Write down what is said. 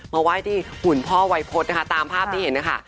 มาไหว้ที่หุ่นพ่อวัยพฤษนะคะตามภาพที่เห็นนะคะ